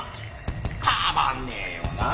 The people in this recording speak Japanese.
たまんねえよなあ。